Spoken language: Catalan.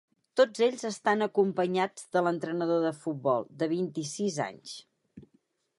Tots ells estan acompanyats de l’entrenador de futbol, de vint-i-sis anys.